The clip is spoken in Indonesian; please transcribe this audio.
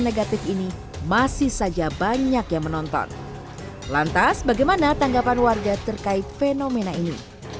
negatif ini masih saja banyak yang menonton lantas bagaimana tanggapan warga terkait fenomena ini